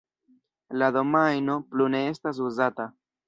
La domajno plu ne estas uzata.